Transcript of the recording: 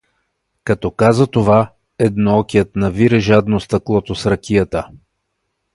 Като каза това, едноокият навири жадно стъклото с ракията.